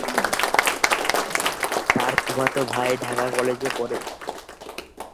তার ফুফাতো ভাই ঢাকা কলেজে পড়ে।